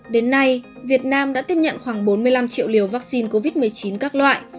đến nay việt nam đã tiếp nhận khoảng bốn mươi năm triệu liều vaccine covid một mươi chín các loại